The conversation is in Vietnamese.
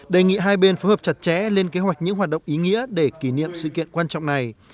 đề nghị hai bên phối hợp chặt chẽ lên kế hoạch những hoạt động ý nghĩa để kỷ niệm sự kiện quan trọng này